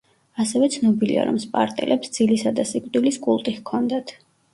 ასევე ცნობილია, რომ სპარტელებს ძილისა და სიკვდილის კულტი ჰქონდათ.